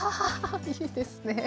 いいですね。